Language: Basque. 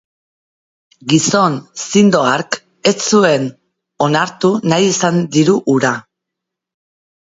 Gizon zindo hark ez zuen onartu nahi izan diru hura.